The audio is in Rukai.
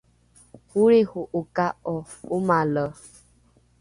olriho’oka’o omale?